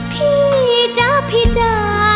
พี่จ๊ะพี่เจอ